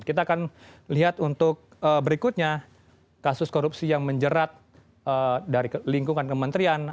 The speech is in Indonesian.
kita akan lihat untuk berikutnya kasus korupsi yang menjerat dari lingkungan kementerian